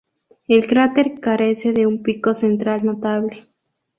El cráter carece de un pico central notable.